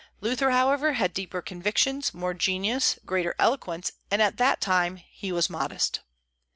Luther, however, had deeper convictions, more genius, greater eloquence, and at that time he was modest.